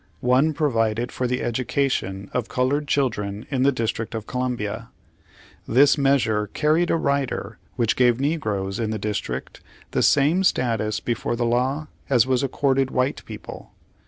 One provided for the education of colored children in the District of Columbia. This measure carried a rider which gave negroes in the District the same status before the law as was accorded white people.